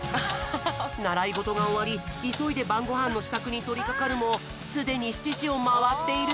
ならいごとがおわりいそいでばんごはんのしたくにとりかかるもすでに７じをまわっている。